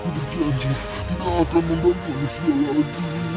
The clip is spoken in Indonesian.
aku berjanji tidak akan membawa manusia lagi